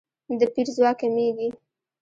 د پیر ځواک کمیږي.